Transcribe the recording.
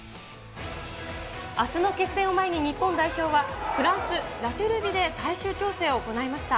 あすの決戦を前に日本代表は、フランス・ラテュルビで最終調整を行いました。